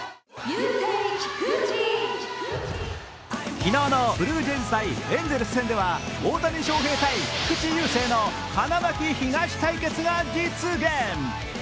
昨日のブルージェイズ×エンゼルス戦では大谷翔平×菊池雄星の花巻東対決が実現。